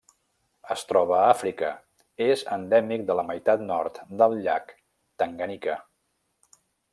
Es troba a Àfrica: és endèmic de la meitat nord del llac Tanganyika.